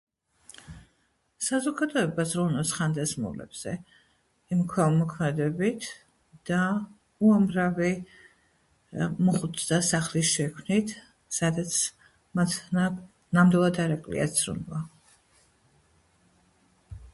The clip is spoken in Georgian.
საზოგადოება ზრუნავს ხანდაზმულებზე იმ ქველმოქმედებით და უამრავი მოხუცთა სახლის შექმნით, სადაც მათ ნამდვილად არ აკლიათ ზრუნვა.